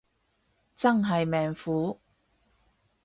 真係命苦